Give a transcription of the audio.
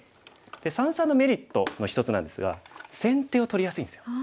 三々のメリットの一つなんですが先手を取りやすいんですよ。